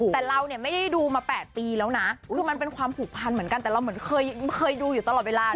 แต่เราเนี่ยไม่ได้ดูมา๘ปีแล้วนะคือมันเป็นความผูกพันเหมือนกันแต่เราเหมือนเคยดูอยู่ตลอดเวลา